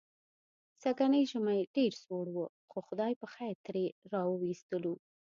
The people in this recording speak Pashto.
سږنی ژمی ډېر سوړ و، خو خدای پخېر ترې را و ایستلو.